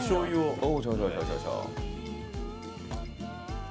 あっ！